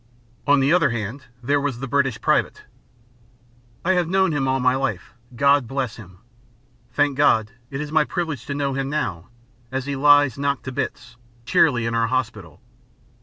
On the other hand, there was the British private. I have known him all my life, God bless him! Thank God, it is my privilege to know him now, as he lies knocked to bits, cheerily, in our hospital.